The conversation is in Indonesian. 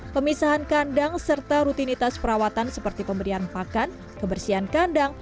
pemisahan kandang serta rutinitas perawatan seperti pemberian pakan kebersihan kandang